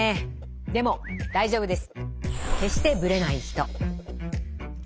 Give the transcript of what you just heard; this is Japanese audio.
でも大丈夫です。